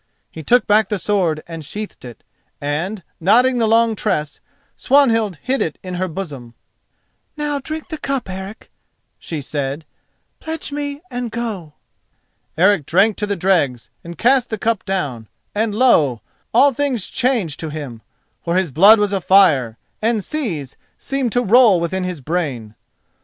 He took back the sword and sheathed it, and, knotting the long tress, Swanhild hid it in her bosom. "Now drink the cup, Eric," she said—"pledge me and go." Eric drank to the dregs and cast the cup down, and lo! all things changed to him, for his blood was afire, and seas seemed to roll within his brain.